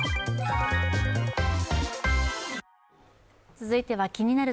続いては「気になる！